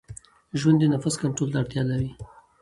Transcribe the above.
ژوند د نفس کنټرول ته اړتیا لري.